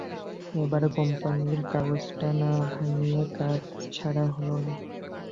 এবারে কোম্পানির কাগজটা না ভাঙিয়ে কাজ সারা হল না।